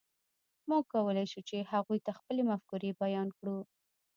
موږ کولی شول، چې هغوی ته خپلې مفکورې بیان کړو.